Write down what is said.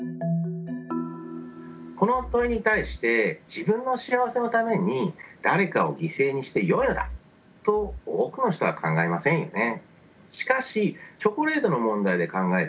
この問いに対して自分の幸せのために誰かを犠牲にしてよいのだと多くの人は考えませんよね。